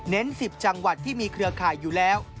๑๐จังหวัดที่มีเครือข่ายอยู่แล้ว